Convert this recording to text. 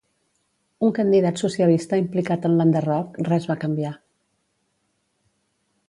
Un candidat socialista implicat en l'enderroc, res va canviar.